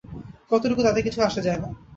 কতটুকু তাতে কিছু আসে যায় না।